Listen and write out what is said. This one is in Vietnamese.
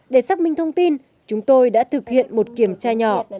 để xác minh thông tin chúng tôi đã thực hiện một kiểm tra nhỏ